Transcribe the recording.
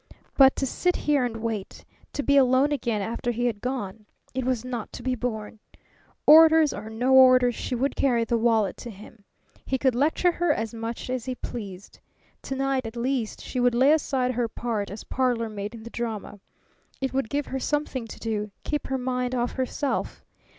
But to sit here and wait, to be alone again after he had gone! It was not to be borne. Orders or no orders, she would carry the wallet to him. He could lecture her as much as he pleased. To night, at least, she would lay aside her part as parlour maid in the drama. It would give her something to do, keep her mind off herself.